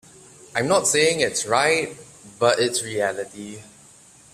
I'm not saying its right, but its reality.